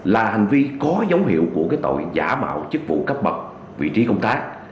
là hành vi có dấu hiệu của cái tội giả mạo chức vụ cấp bậc vị trí công tác